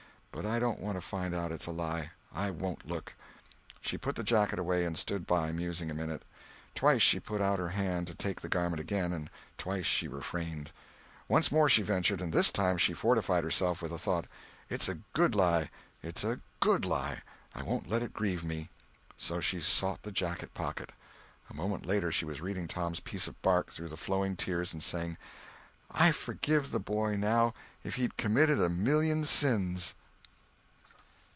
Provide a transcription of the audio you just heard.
But I don't want to find out it's a lie. I won't look." She put the jacket away, and stood by musing a minute. Twice she put out her hand to take the garment again, and twice she refrained. Once more she ventured, and this time she fortified herself with the thought: "It's a good lie—it's a good lie—I won't let it grieve me." So she sought the jacket pocket. A moment later she was reading Tom's piece of bark through flowing tears and saying: "I could forgive the boy, now, if he'd committed a million sins!"